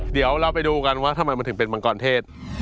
เดี๋ยวเราไปดูกันว่าทำไมมันถึงเป็นมังกรเทศ